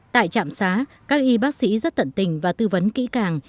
tại trạm xá các y bác sĩ rất tận tình và tư vấn kỹ càng